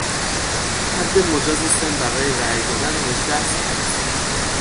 حد مجاز سن برای رای دادن هجده سال است.